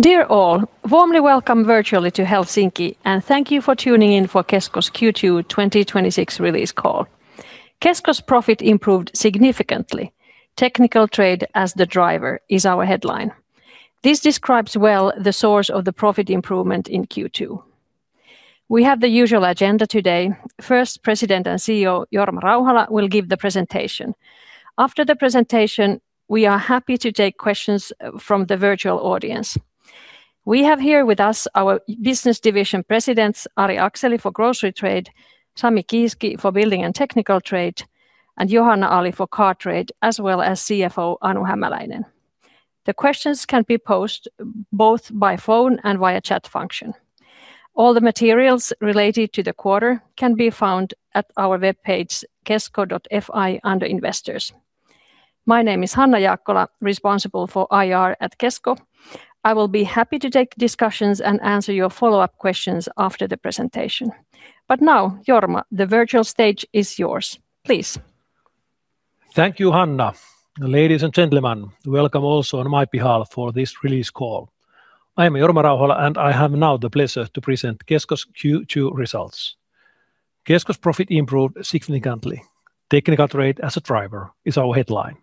Dear all, warmly welcome virtually to Helsinki. Thank you for tuning in for Kesko's Q2 2026 release call. Kesko's profit improved significantly. Technical Trade as the driver is our headline. This describes well the source of the profit improvement in Q2. We have the usual agenda today. First, President and CEO Jorma Rauhala will give the presentation. After the presentation, we are happy to take questions from the virtual audience. We have here with us our business division Presidents, Ari Akseli for Grocery Trade, Sami Kiiski for Building and Technical Trade, and Johanna Ali for Car Trade, as well as CFO Anu Hämäläinen. The questions can be posted both by phone and via chat function. All the materials related to the quarter can be found at our webpage kesko.fi under Investors. My name is Hanna Jaakkola, responsible for IR at Kesko. I will be happy to take discussions and answer your follow-up questions after the presentation. Now, Jorma, the virtual stage is yours. Please. Thank you, Hanna. Ladies and gentlemen, welcome also on my behalf for this release call. I am Jorma Rauhala. I have now the pleasure to present Kesko's Q2 results. Kesko's profit improved significantly. Technical Trade as a driver is our headline.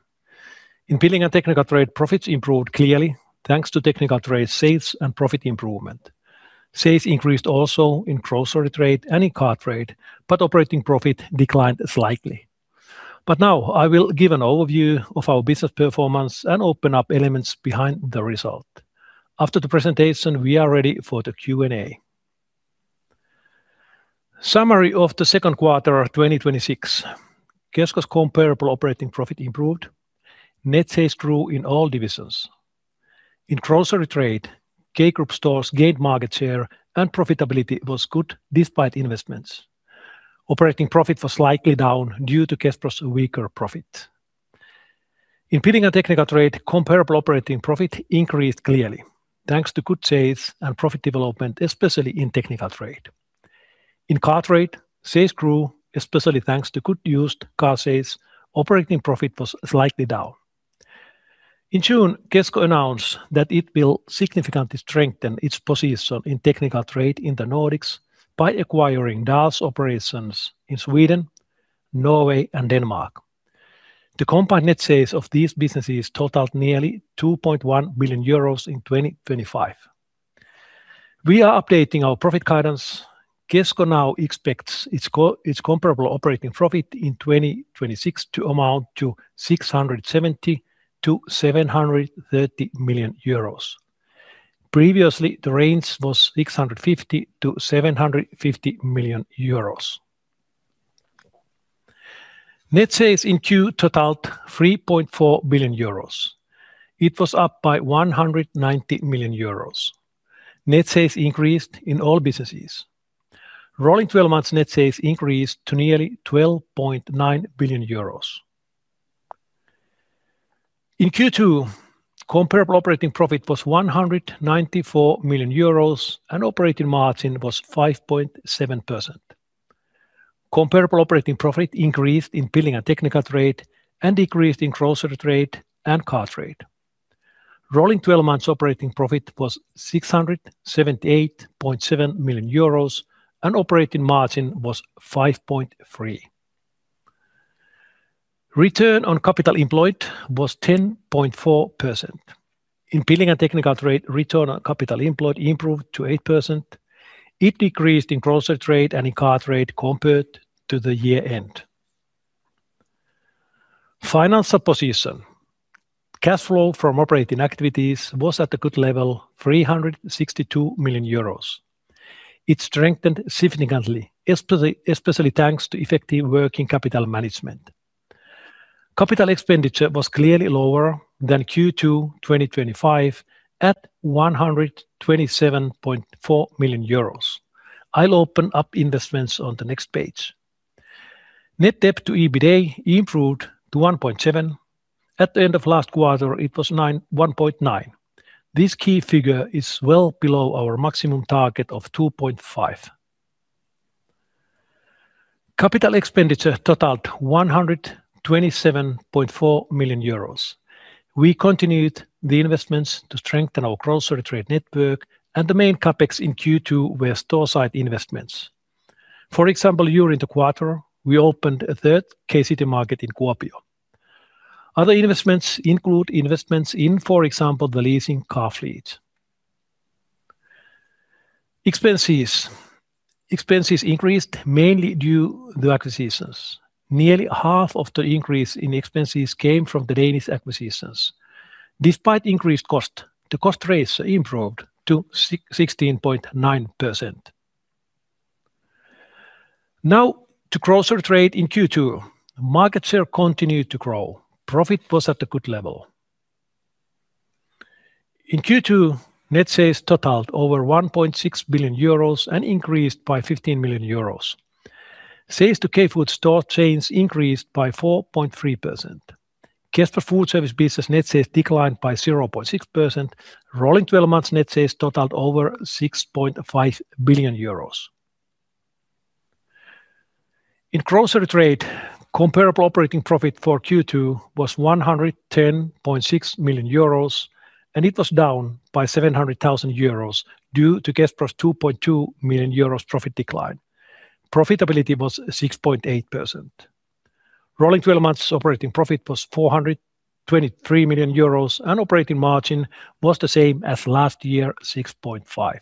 In Building and Technical Trade, profits improved clearly thanks to Technical Trade sales and profit improvement. Sales increased also in Grocery Trade and in Car Trade. Operating profit declined slightly. Now I will give an overview of our business performance and open up elements behind the result. After the presentation, we are ready for the Q&A. Summary of the second quarter of 2026. Kesko's comparable operating profit improved. Net sales grew in all divisions. In Grocery Trade, K Group stores gained market share and profitability was good despite investments. Operating profit was slightly down due to Kespro's weaker profit. In Building and Technical Trade, comparable operating profit increased clearly thanks to good sales and profit development, especially in Technical Trade. In Car Trade, sales grew especially thanks to good used car sales. Operating profit was slightly down. In June, Kesko announced that it will significantly strengthen its position in Technical Trade in the Nordics by acquiring Dahl's operations in Sweden, Norway, and Denmark. The combined net sales of these businesses totaled nearly 2.1 billion euros in 2025. We are updating our profit guidance. Kesko now expects its comparable operating profit in 2026 to amount to 670 million-730 million euros. Previously, the range was 650 million-750 million euros. Net sales in Q2 totaled 3.4 billion euros. It was up by 190 million euros. Net sales increased in all businesses. Rolling 12 months net sales increased to nearly 12.9 billion euros. In Q2, comparable operating profit was 194 million euros and operating margin was 5.7%. Comparable operating profit increased in Building and Technical Trade and decreased in Grocery Trade and Car Trade. Rolling 12 months operating profit was 678.7 million euros, and operating margin was 5.3%. Return on capital employed was 10.4%. In Building and Technical Trade, return on capital employed improved to 8%. It decreased in Grocery Trade and in Car Trade compared to the year-end. Financial position. Cash flow from operating activities was at a good level, 362 million euros. It strengthened significantly, especially thanks to effective working capital management. Capital expenditure was clearly lower than Q2 2025 at 127.4 million euros. I'll open up investments on the next page. Net debt to EBITDA improved to 1.7. At the end of last quarter, it was 1.9. This key figure is well below our maximum target of 2.5. Capital expenditure totaled 127.4 million euros. We continued the investments to strengthen our Grocery Trade network and the main CapEx in Q2 were store site investments. For example, during the quarter, we opened a third K-Citymarket in Kuopio. Other investments include investments in, for example, the leasing car fleet. Expenses. Expenses increased mainly due to acquisitions. Nearly half of the increase in expenses came from the Danish acquisitions. Despite increased cost, the cost rates improved to 16.9%. Now to Grocery Trade in Q2. Market share continued to grow. Profit was at a good level. In Q2, net sales totaled over 1.6 billion euros and increased by 15 million euros. Sales to K Food store chains increased by 4.3%. Kespro Foodservice business net sales declined by 0.6%. Rolling 12 months net sales totaled over 6.5 billion euros. In Grocery Trade, comparable operating profit for Q2 was 110.6 million euros, and it was down by 700,000 euros due to Kespro's 2.2 million euros profit decline. Profitability was 6.8%. Rolling 12 months operating profit was 423 million euros, and operating margin was the same as last year, 6.5%.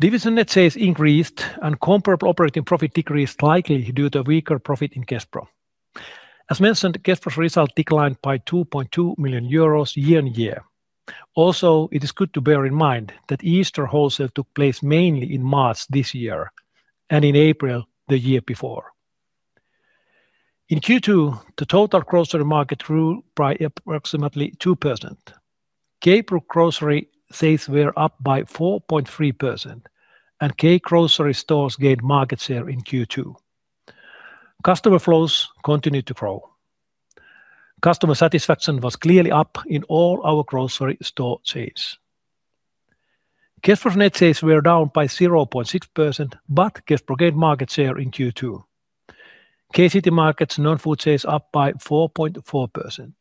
Division net sales increased and comparable operating profit decreased likely due to weaker profit in Kespro. As mentioned, Kespro's result declined by 2.2 million euros year-on-year. It is good to bear in mind that Easter wholesale took place mainly in March this year and in April the year before. In Q2, the total grocery market grew by approximately 2%. Kespro grocery sales were up by 4.3%, and K grocery stores gained market share in Q2. Customer flows continued to grow. Customer satisfaction was clearly up in all our grocery store chains. Kespro's net sales were down by 0.6%, but Kespro gained market share in Q2. K-Citymarket's non-food sales up by 4.4%.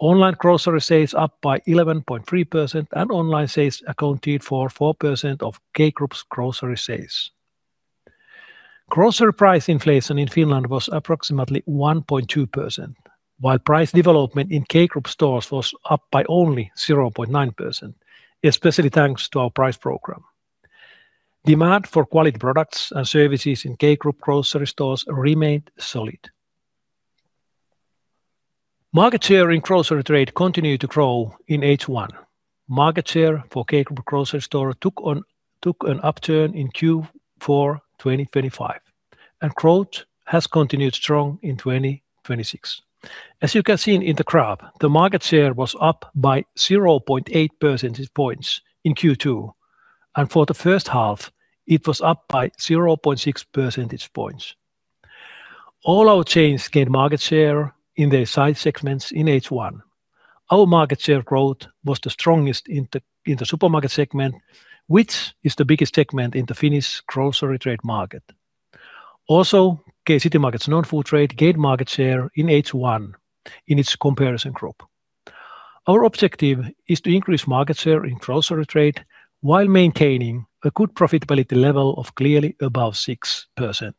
Online grocery sales up by 11.3%, and online sales accounted for 4% of K Group's grocery sales. Grocery price inflation in Finland was approximately 1.2%, while price development in K Group stores was up by only 0.9%, especially thanks to our price program. Demand for quality products and services in K Group grocery stores remained solid. Market share in Grocery Trade continued to grow in H1. Market share for K Group grocery store took an upturn in Q4 2025, and growth has continued strong in 2026. As you can see in the graph, the market share was up by 0.8 percentage points in Q2, and for the first half it was up by 0.6 percentage points. All our chains gained market share in their site segments in H1. Our market share growth was the strongest in the supermarket segment, which is the biggest segment in the Finnish grocery trade market. Also, K-Citymarket's non-food trade gained market share in H1 in its comparison group. Our objective is to increase market share in grocery trade while maintaining a good profitability level of clearly above 6%.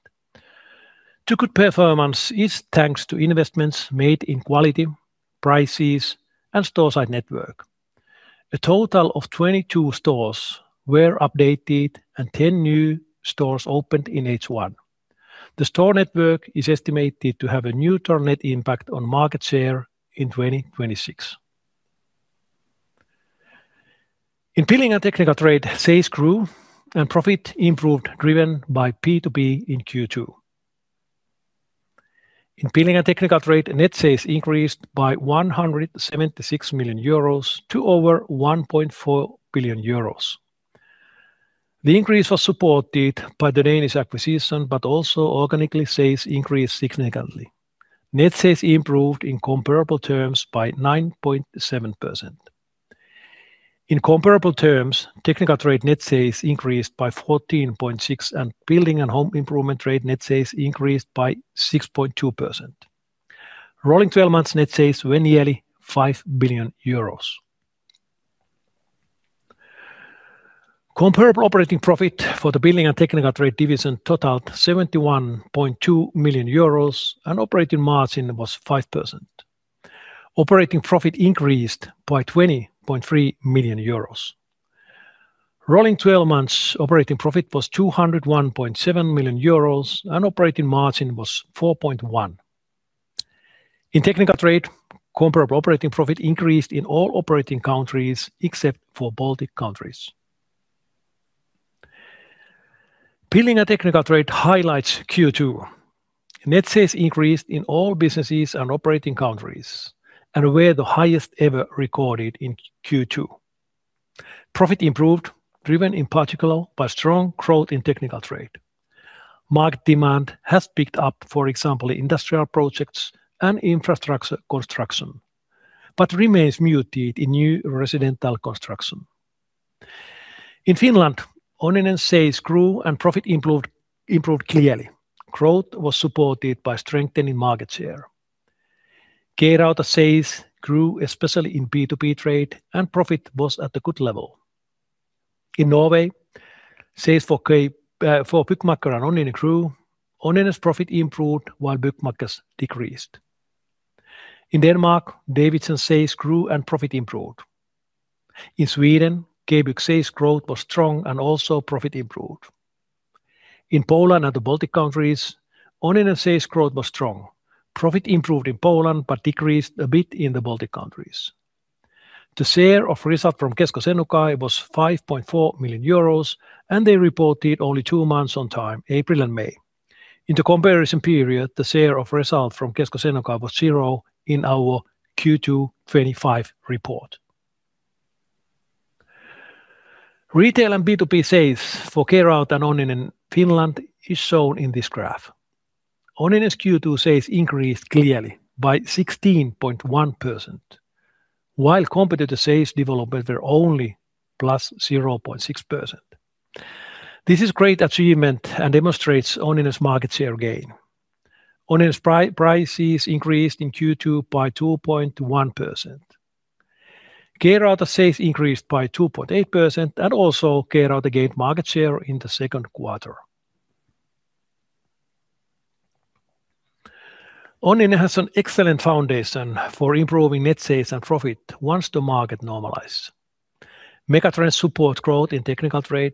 The good performance is thanks to investments made in quality, prices, and store site network. A total of 22 stores were updated and 10 new stores opened in H1. The store network is estimated to have a neutral net impact on market share in 2026. In building and technical trade, sales grew and profit improved, driven by B2B in Q2. In building and technical trade, net sales increased by 176 million euros to over 1.4 billion euros. The increase was supported by the Danish acquisition, but also organically sales increased significantly. Net sales improved in comparable terms by 9.7%. In comparable terms, technical trade net sales increased by 14.6%, and building and home improvement trade net sales increased by 6.2%. Rolling 12 months net sales were nearly 5 billion euros. Comparable operating profit for the building and technical trade division totaled 71.2 million euros, and operating margin was 5%. Operating profit increased by 20.3 million euros. Rolling 12 months operating profit was 201.7 million euros, and operating margin was 4.1%. In technical trade, comparable operating profit increased in all operating countries except for Baltic countries. Building and technical trade highlights Q2. Net sales increased in all businesses and operating countries and were the highest ever recorded in Q2. Profit improved, driven in particular by strong growth in technical trade. Market demand has picked up, for example, industrial projects and infrastructure construction, but remains muted in new residential construction. In Finland, Onninen's sales grew and profit improved clearly. Growth was supported by strengthening market share. K-Rauta sales grew, especially in B2B trade, and profit was at a good level. In Norway, sales for Byggmakker and Onninen grew. Onninen's profit improved while Byggmakker's decreased. In Denmark, Davidsen's sales grew and profit improved. In Sweden, K-Bygg sales growth was strong and also profit improved. In Poland and the Baltic countries, Onninen's sales growth was strong. Profit improved in Poland, but decreased a bit in the Baltic countries. The share of result from Kesko Senukai was 5.4 million euros, and they reported only two months on time, April and May. In the comparison period, the share of result from Kesko Senukai was zero in our Q2 2025 report. Retail and B2B sales for K-Rauta and Onninen in Finland is shown in this graph. Onninen's Q2 sales increased clearly by 16.1%, while competitor sales developed were only plus 0.6%. This is great achievement and demonstrates Onninen's market share gain. Onninen's prices increased in Q2 by 2.1%. K-Rauta sales increased by 2.8%, and also K-Rauta gained market share in the second quarter. Onninen has an excellent foundation for improving net sales and profit once the market normalize. Megatrend support growth in technical trade,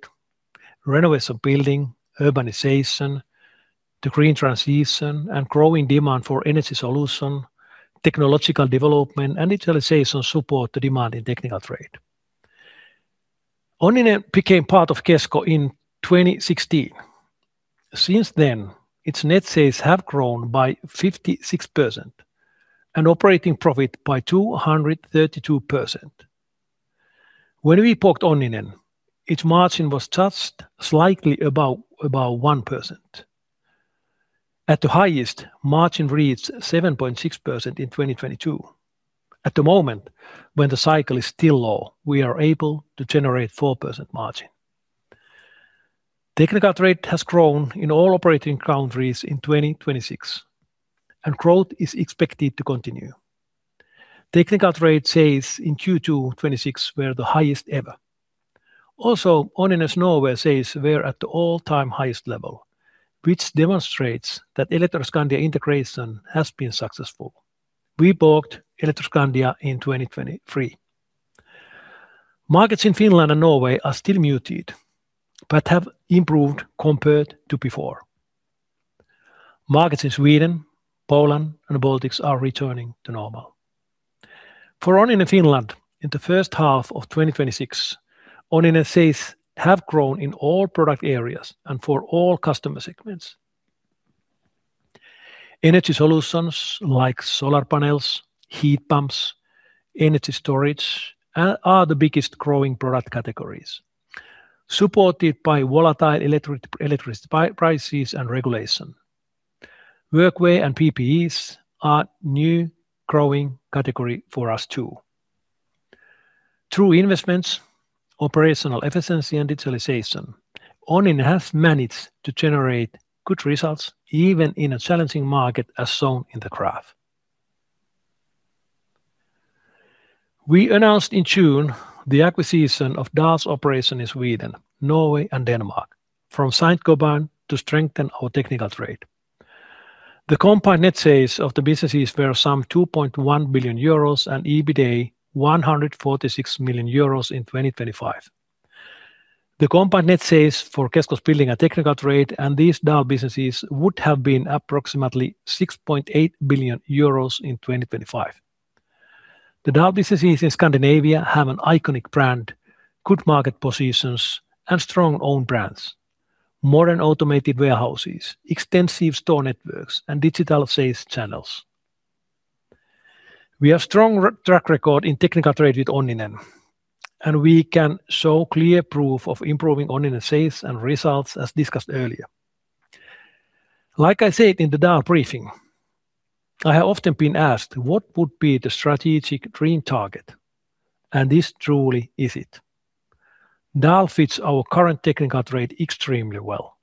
renovation building, urbanization, the green transition, and growing demand for energy solution, technological development, and digitalization support the demand in technical trade. Onninen became part of Kesko in 2016. Since then, its net sales have grown by 56% and operating profit by 232%. When we bought Onninen, its margin was just slightly above 1%. At the highest, margin reads 7.6% in 2022. At the moment, when the cycle is still low, we are able to generate 4% margin. Technical trade has grown in all operating countries in 2026, and growth is expected to continue. Technical trade sales in Q2 2026 were the highest ever. Also, Onninen Norway sales were at the all-time highest level, which demonstrates that Elektroskandia integration has been successful. We bought Elektroskandia in 2023. Markets in Finland and Norway are still muted but have improved compared to before. Markets in Sweden, Poland, and the Baltics are returning to normal. For Onninen Finland, in the first half of 2026, Onninen sales have grown in all product areas and for all customer segments. Energy solutions like solar panels, heat pumps, energy storage are the biggest growing product categories, supported by volatile electricity prices and regulation. Workwear and PPEs are new growing category for us, too. Through investments, operational efficiency and digitalization, Onninen has managed to generate good results even in a challenging market, as shown in the graph. We announced in June the acquisition of Dahl's operation in Sweden, Norway, and Denmark from Saint-Gobain to strengthen our technical trade. The combined net sales of the businesses were some 2.1 billion euros and EBITDA 146 million euros in 2025. The combined net sales for Kesko's building and technical trade and these Dahl businesses would have been approximately 6.8 billion euros in 2025. The Dahl businesses in Scandinavia have an iconic brand, good market positions, and strong own brands, modern automated warehouses, extensive store networks, and digital sales channels. We have strong track record in technical trade with Onninen, and we can show clear proof of improving Onninen sales and results as discussed earlier. Like I said in the Dahl briefing, I have often been asked what would be the strategic dream target, and this truly is it. Dahl fits our current technical trade extremely well.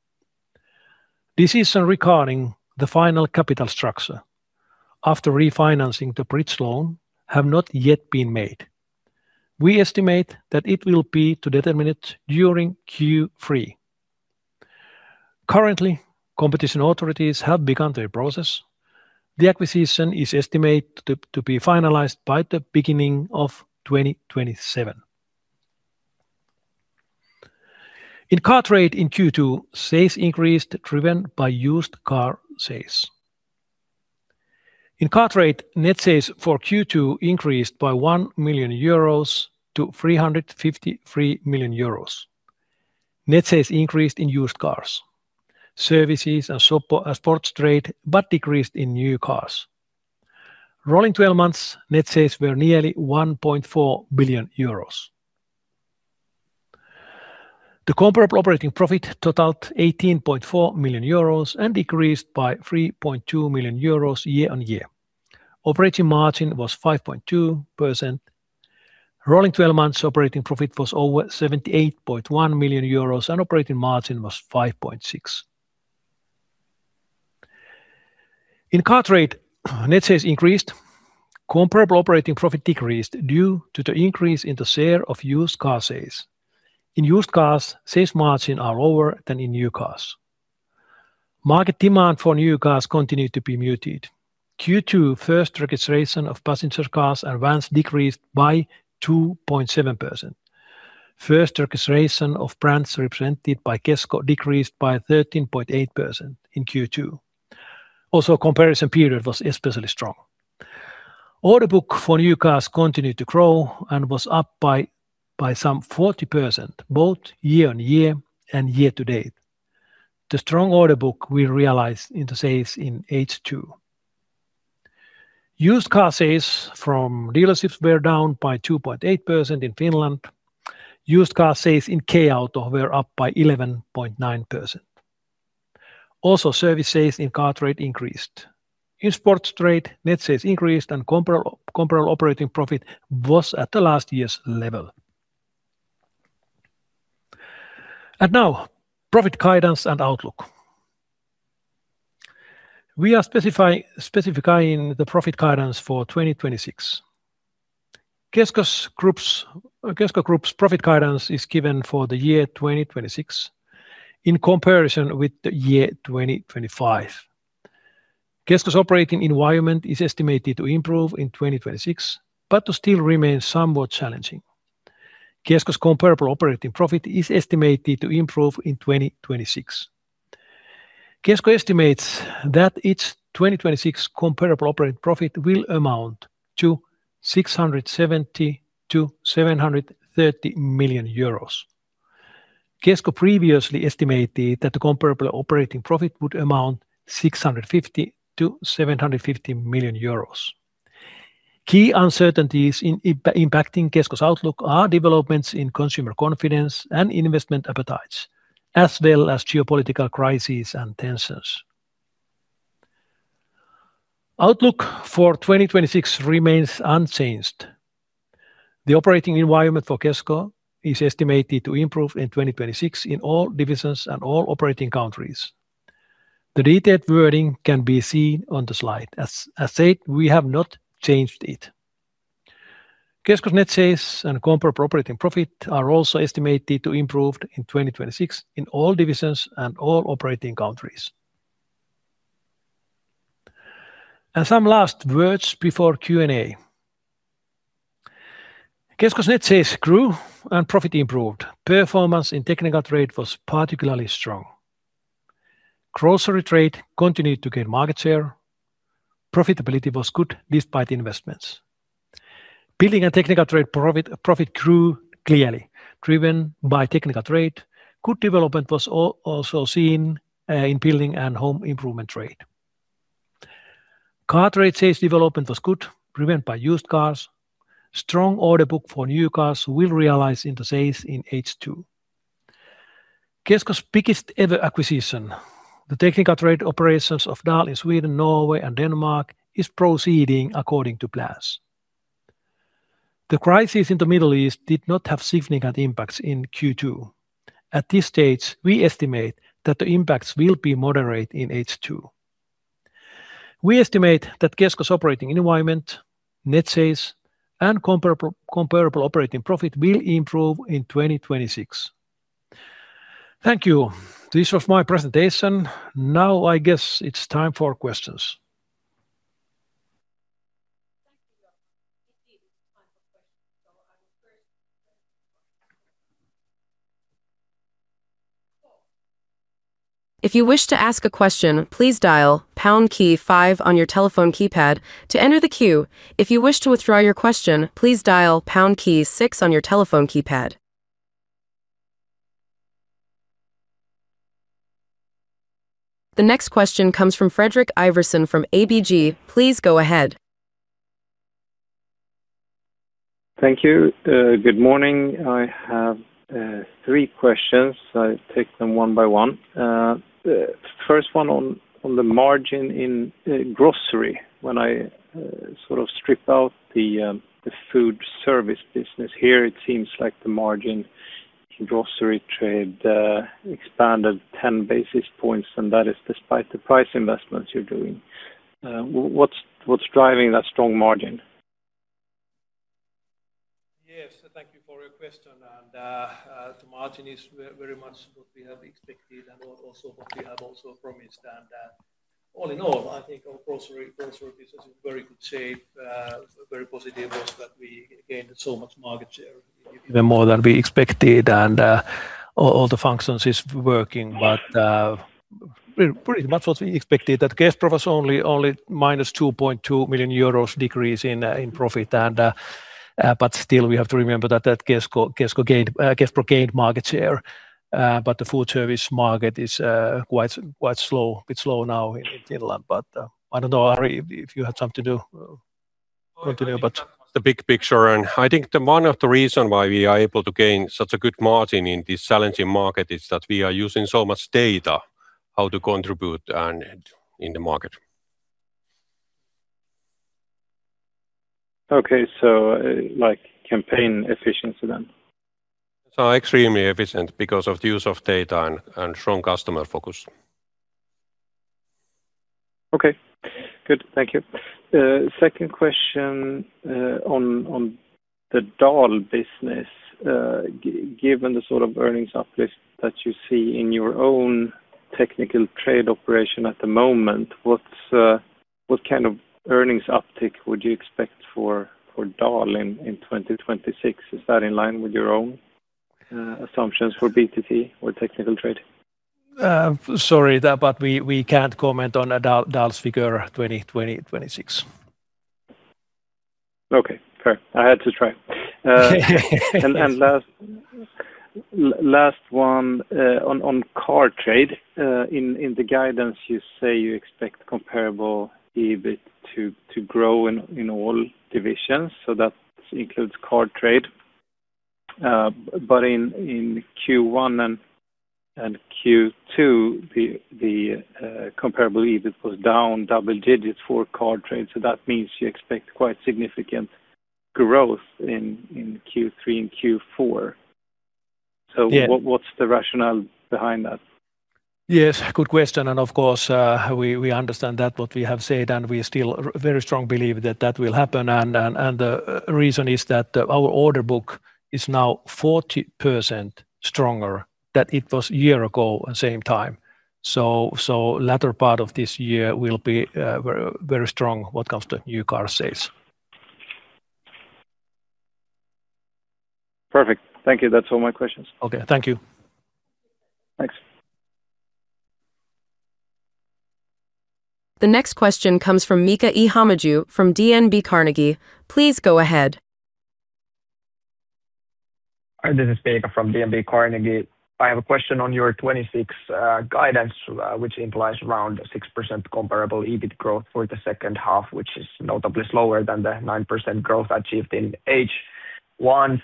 Decision regarding the final capital structure after refinancing the bridge loan have not yet been made. We estimate that it will be to determine it during Q3. Currently, competition authorities have begun their process. The acquisition is estimated to be finalized by the beginning of 2027. In car trade in Q2, sales increased, driven by used car sales. In car trade, net sales for Q2 increased by 1 million euros to 353 million euros. Net sales increased in used cars, services and sports trade, but decreased in new cars. Rolling 12 months net sales were nearly 1.4 billion euros. The comparable operating profit totaled 18.4 million euros and decreased by 3.2 million euros year on year. Operating margin was 5.2%. Rolling 12 months operating profit was over 78.1 million euros, and operating margin was 5.6%. In car trade, net sales increased. Comparable operating profit decreased due to the increase in the share of used car sales. In used cars, sales margin are lower than in new cars. Market demand for new cars continued to be muted. Q2 first registration of passenger cars and vans decreased by 2.7%. First registration of brands represented by Kesko decreased by 13.8% in Q2. Also, comparison period was especially strong. Order book for new cars continued to grow and was up by some 40%, both year on year and year to date. The strong order book we realized in the sales in H2. Used car sales from dealerships were down by 2.8% in Finland. Used car sales in K-Auto were up by 11.9%. Also, service sales in car trade increased. In sports trade, net sales increased and comparable operating profit was at the last year's level. Now profit guidance and outlook. We are specifying the profit guidance for 2026. Kesko Group's profit guidance is given for the year 2026 in comparison with the year 2025. Kesko's operating environment is estimated to improve in 2026, but to still remain somewhat challenging. Kesko's comparable operating profit is estimated to improve in 2026. Kesko estimates that its 2026 comparable operating profit will amount to 670 million-730 million euros. Kesko previously estimated that the comparable operating profit would amount 650 million-750 million euros. Key uncertainties impacting Kesko's outlook are developments in consumer confidence and investment appetites, as well as geopolitical crises and tensions. Outlook for 2026 remains unchanged. The operating environment for Kesko is estimated to improve in 2026 in all divisions and all operating countries. The detailed wording can be seen on the slide. As said, we have not changed it. Kesko's net sales and comparable operating profit are also estimated to improve in 2026 in all divisions and all operating countries. Some last words before Q&A. Kesko's net sales grew and profit improved. Performance in technical trade was particularly strong. Grocery trade continued to gain market share. Profitability was good despite investments. Building and technical trade profit grew clearly driven by technical trade. Good development was also seen in building and home improvement trade. Car trade sales development was good, driven by used cars. Strong order book for new cars will realize into sales in H2. Kesko's biggest ever acquisition, the technical trade operations of Dahl in Sweden, Norway, and Denmark is proceeding according to plans. The crisis in the Middle East did not have significant impacts in Q2. At this stage, we estimate that the impacts will be moderate in H2. We estimate that Kesko's operating environment, net sales, and comparable operating profit will improve in 2026. Thank you. This was my presentation. Now I guess it's time for questions. Thank you, Jorma. It is time for questions. If you wish to ask a question, please dial pound key five on your telephone keypad to enter the queue. If you wish to withdraw your question, please dial pound key six on your telephone keypad. The next question comes from Fredrik Ivarsson from ABG Sundal Collier. Please go ahead. Thank you. Good morning. I have three questions. I take them one by one. First one on the margin in grocery. When I strip out the food service business here, it seems like the margin grocery trade expanded 10 basis points, and that is despite the price investments you're doing. What's driving that strong margin? Yes, thank you for your question. The margin is very much what we have expected and also what we have also promised. All in all, I think our grocery business is in very good shape. Very positive that we gained so much market share, even more than we expected and all the functions is working. Pretty much what we expected that Kespro was only minus 2.2 million euros decrease in profit. Still, we have to remember that Kespro gained market share. The food service market is quite slow now in Finland. I don't know, Ari, if you had something to continue. The big picture, and I think one of the reason why we are able to gain such a good margin in this challenging market is that we are using so much data how to contribute and in the market. Okay. Campaign efficiency then. Extremely efficient because of the use of data and strong customer focus. Okay, good. Thank you. Second question on the Dahl business. Given the sort of earnings uplift that you see in your own technical trade operation at the moment, what kind of earnings uptick would you expect for Dahl in 2026? Is that in line with your own assumptions for B2C or technical trade? Sorry, we can't comment on Dahl's figure 2026. Okay, fair. I had to try. Last one, on Car Trade. In the guidance, you say you expect comparable EBIT to grow in all divisions, so that includes Car Trade. But in Q1 and Q2, the comparable EBIT was down double digits for Car Trade, so that means you expect quite significant growth in Q3 and Q4. What's the rationale behind that? Yes, good question. Of course, we understand that what we have said, and we still very strong believe that that will happen. The reason is that our order book is now 40% stronger than it was a year ago at same time. Latter part of this year will be very strong when it comes to new car sales. Perfect. Thank you. That's all my questions. Okay. Thank you. Thanks. The next question comes from Miika Ihamäki from DNB Carnegie. Please go ahead. Hi, this is Miika from DNB Carnegie. I have a question on your 2026 guidance, which implies around 6% comparable EBIT growth for the second half, which is notably slower than the 9% growth achieved in H1.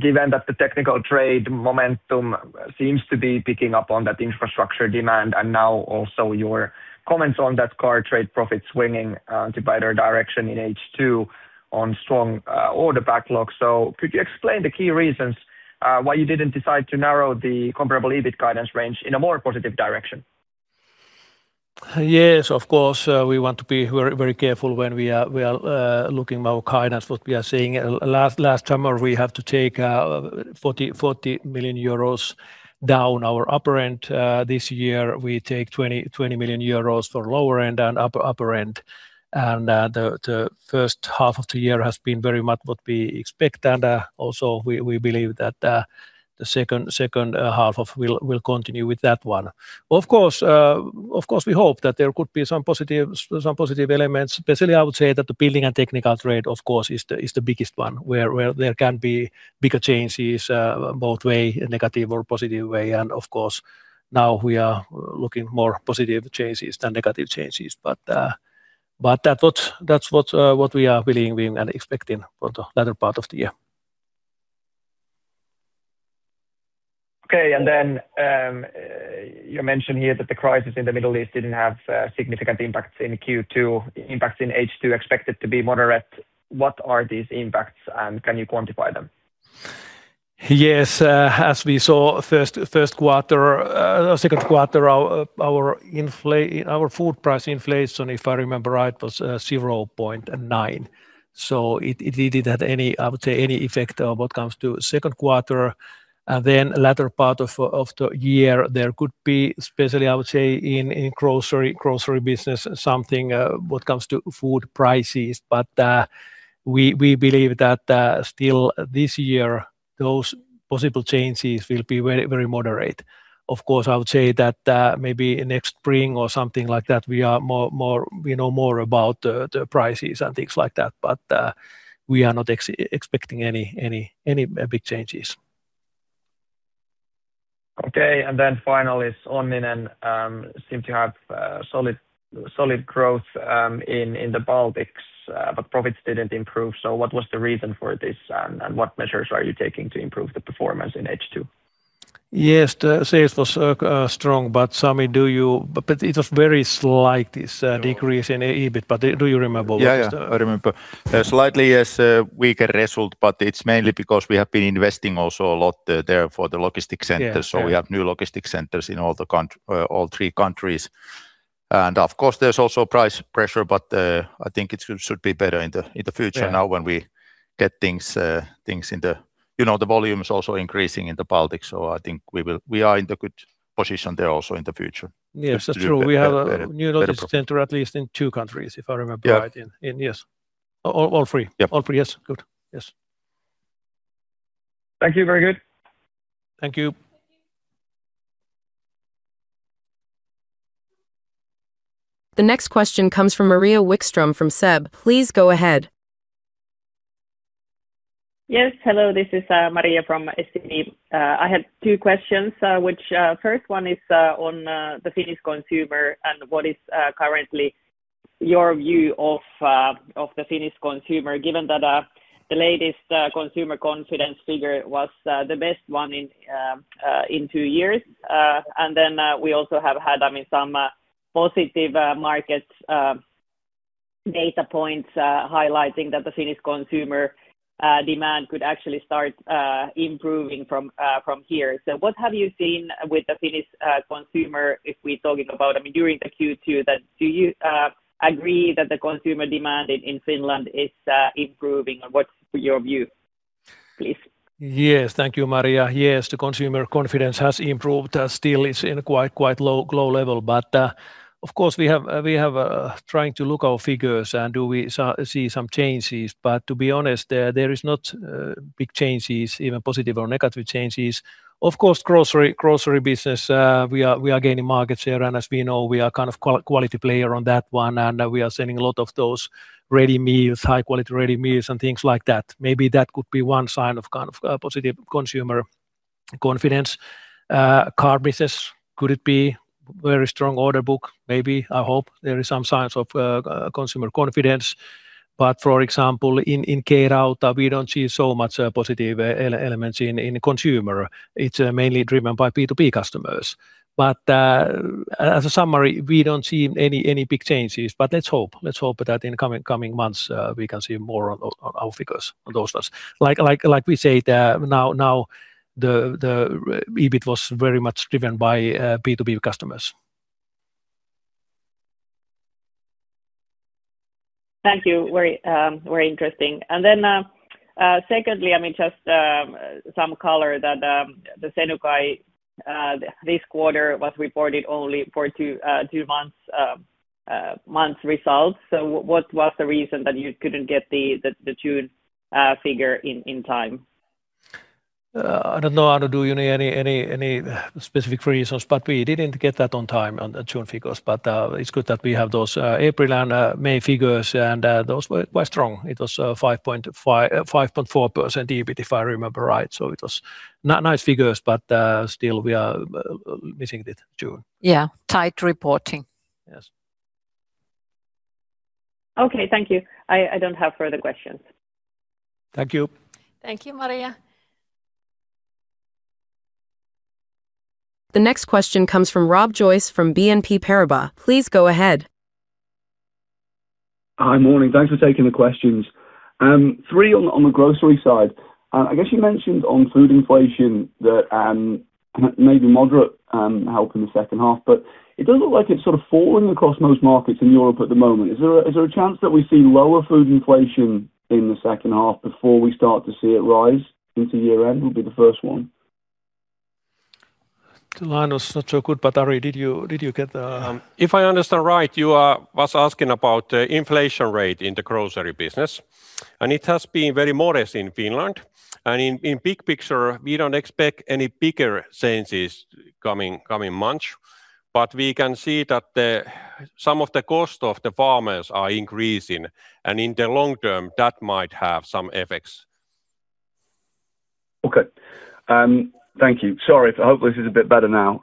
Given that the technical trade momentum seems to be picking up on that infrastructure demand, and now also your comments on that car trade profit swinging to better direction in H2 on strong order backlog. Could you explain the key reasons why you didn't decide to narrow the comparable EBIT guidance range in a more positive direction? Yes, of course, we want to be very careful when we are looking our guidance, what we are seeing. Last summer, we have to take 40 million euros down our upper end. This year, we take 20 million euros for lower end and upper end. The first half of the year has been very much what we expect. Also, we believe that the second half we'll continue with that one. Of course, we hope that there could be some positive elements. Especially, I would say that the building and technical trade, of course, is the biggest one, where there can be bigger changes both way, negative or positive way. Of course, now we are looking more positive changes than negative changes. That's what we are believing and expecting for the latter part of the year. Okay. Then, you mentioned here that the crisis in the Middle East didn't have significant impacts in Q2. Impacts in H2 expected to be moderate. What are these impacts, and can you quantify them? Yes. As we saw first quarter, second quarter, our food price inflation, if I remember right, was 0.9. It didn't have any, I would say, any effect on what comes to second quarter. Latter part of the year, there could be, especially, I would say, in grocery business, something what comes to food prices. We believe that still this year, those possible changes will be very moderate. Of course, I would say that maybe next spring or something like that, we know more about the prices and things like that, but we are not expecting any big changes. Okay, finally, Onninen seem to have solid growth in the Baltics, profits didn't improve. What was the reason for this, and what measures are you taking to improve the performance in H2? Yes, the sales was strong, Sami, it was very slight, this decrease in EBIT. Do you remember what's the? Yeah. I remember. Slightly, yes, weaker result. It's mainly because we have been investing also a lot there for the logistic centers. We have new logistic centers in all three countries. Of course, there's also price pressure. I think it should be better in the future. Now when we get things in. The volume is also increasing in the Baltics. I think we are in the good position there also in the future. Yes, true. We have a new logistic center at least in two countries, if I remember right. Yeah. In, yes. All three. Yeah. All three. Yes. Good. Thank you. Very good. Thank you. The next question comes from Maria Wikström from SEB. Please go ahead. Yes. Hello. This is Maria from SEB. I have two questions, which first one is on the Finnish consumer and what is currently your view of the Finnish consumer, given that the latest consumer confidence figure was the best one in two years. Then we also have had some positive markets data points highlighting that the Finnish consumer demand could actually start improving from here. What have you seen with the Finnish consumer if we're talking about during the Q2 that, do you agree that the consumer demand in Finland is improving, and what's your view, please? Yes. Thank you, Maria. Yes, the consumer confidence has improved. Still is in a quite low level, of course, we have trying to look our figures and do we see some changes, to be honest, there is not big changes, even positive or negative changes. Of course, grocery business, we are gaining markets there, and as we know, we are kind of quality player on that one, and we are selling a lot of those ready meals, high quality ready meals, and things like that. Maybe that could be one sign of kind of a positive consumer confidence. Car business, could it be very strong order book? Maybe. I hope there is some signs of consumer confidence. For example, in K-Rauta, we don't see so much positive elements in consumer. It's mainly driven by B2B customers. As a summary, we don't see any big changes. Let's hope that in coming months, we can see more on our figures, on those ones. Like we say, now the EBIT was very much driven by B2B customers. Thank you. Very interesting. Secondly, just some color that the Senukai this quarter was reported only for two months results. What was the reason that you couldn't get the June figure in time? I don't know, Anu, any specific reasons, we didn't get that on time on the June figures. It's good that we have those April and May figures, and those were quite strong. It was 5.4% EBIT, if I remember right. It was nice figures, but still we are missing it June. Yeah. Tight reporting. Yes. Okay. Thank you. I don't have further questions. Thank you. Thank you, Maria. The next question comes from Rob Joyce from BNP Paribas. Please go ahead. Hi. Morning. Thanks for taking the questions. Three on the grocery side. I guess you mentioned on food inflation that maybe moderate help in the second half, but it does look like it's fallen across most markets in Europe at the moment. Is there a chance that we see lower food inflation in the second half before we start to see it rise into year-end? We'll be the first one. The line was not so good, but Ari, did you get the. If I understand right, you was asking about inflation rate in the grocery business, and it has been very modest in Finland. In big picture, we don't expect any bigger changes coming much. We can see that some of the cost of the farmers are increasing, and in the long term, that might have some effects. Okay. Thank you. Sorry. Hopefully this is a bit better now.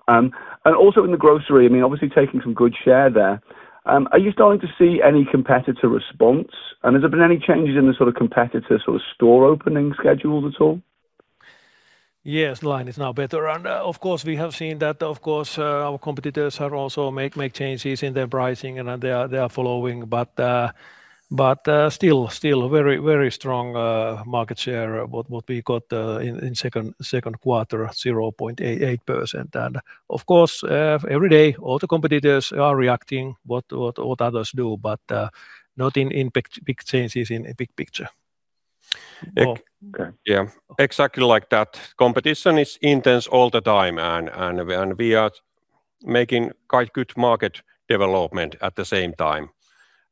Also in the grocery, obviously taking some good share there. Are you starting to see any competitor response? Has there been any changes in the competitor store opening schedules at all? Yes, the line is now better. Of course, we have seen that our competitors are also make changes in their pricing, and they are following. Still very strong market share, what we got in second quarter, 0.88%. Of course, every day, all the competitors are reacting what others do, but nothing in big changes in a big picture. Yeah, exactly like that. Competition is intense all the time, we are making quite good market development at the same time.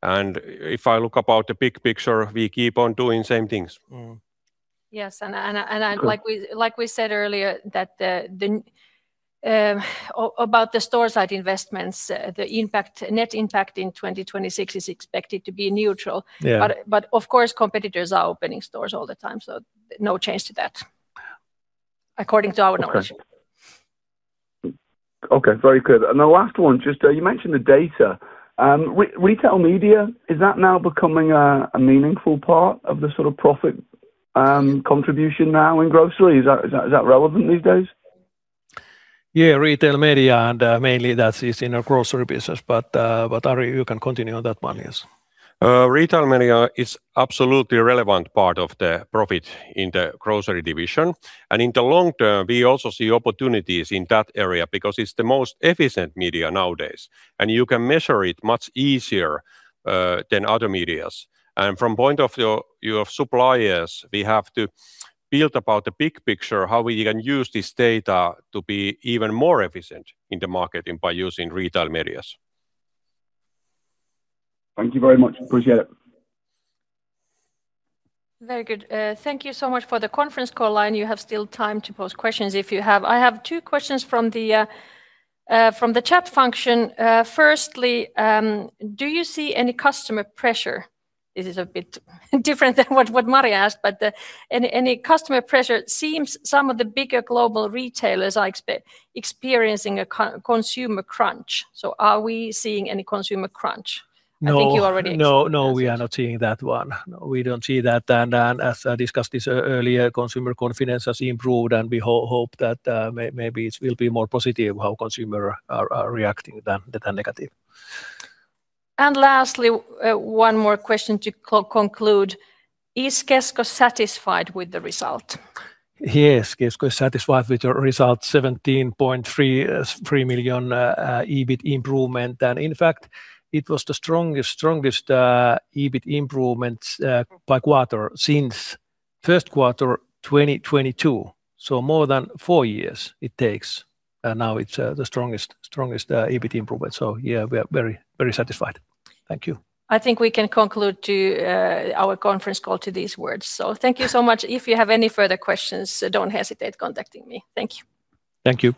If I look about the big picture, we keep on doing same things. Yes. Like we said earlier, about the store site investments, the net impact in 2026 is expected to be neutral. Of course, competitors are opening stores all the time, so no change to that according to our knowledge. Okay. Very good. The last one, just you mentioned the data. Retail media, is that now becoming a meaningful part of the profit contribution now in grocery? Is that relevant these days? Yeah, retail media, Mainly that is in our grocery business. Ari, you can continue on that one. Retail media is absolutely a relevant part of the profit in the grocery division. In the long term, we also see opportunities in that area because it's the most efficient media nowadays, and you can measure it much easier than other medias. From point of your suppliers, we have to build about the big picture, how we can use this data to be even more efficient in the marketing by using retail medias. Thank you very much. Appreciate it. Very good. Thank you so much for the conference call line. You have still time to pose questions if you have. I have two questions from the chat function. Firstly, do you see any customer pressure? This is a bit different than what Maria asked. Any customer pressure? Seems some of the bigger global retailers are experiencing a consumer crunch. Are we seeing any consumer crunch? I think you already answered. No, we are not seeing that one. No, we don't see that. As I discussed this earlier, consumer confidence has improved, and we hope that maybe it will be more positive how consumer are reacting than negative. Lastly, one more question to conclude. Is Kesko satisfied with the result? Yes, Kesko is satisfied with the result. 17.3 million EBIT improvement. In fact, it was the strongest EBIT improvements by quarter since first quarter 2022. More than four years it takes. Now it's the strongest EBIT improvement. Yeah, we are very satisfied. Thank you. I think we can conclude our conference call to these words. Thank you so much. If you have any further questions, don't hesitate contacting me. Thank you. Thank you.